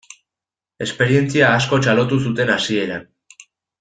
Esperientzia asko txalotu zuten hasieran.